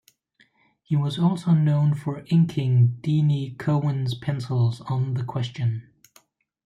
He was also known for inking Denys Cowan's pencils on "The Question".